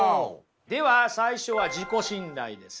では最初は自己信頼ですね。